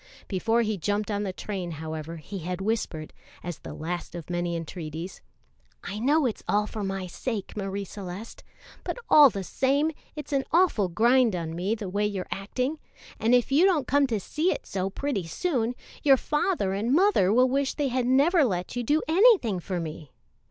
Before he jumped on the train, however, he had whispered, as the last of many entreaties: "I know it's all for my sake, Marie Celeste, but all the same, it's an awful grind on me the way you're acting; and if you don't come to see it so pretty soon, your father and mother will wish they had never let you do anything for me.